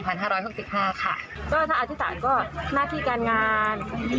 ก็ถ้าอาทิตย์ต่างก็หน้าที่การงาน